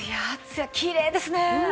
きれいですね。